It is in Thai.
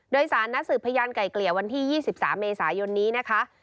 โดยสารนัดสืบพยานไก่เกลี่ยวันที่๒๓เมษายนนี้นะคะ